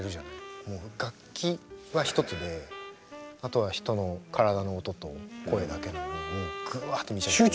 もう楽器は一つであとは人の体の音と声だけなのにもうぐわって見ちゃうというか。